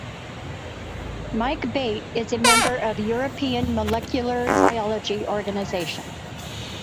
Mike Bate is a member of European Molecular Biology Organization.